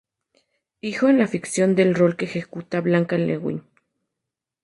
Hijo en la ficción del rol que ejecuta Blanca Lewin.